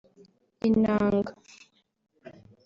inanga